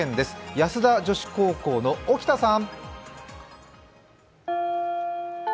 安田女子高校の沖田さん。